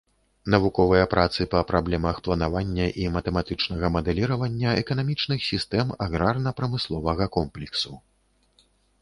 Навуковыя працы па праблемах планавання і матэматычнага мадэліравання эканамічных сістэм аграрна-прамысловага комплексу.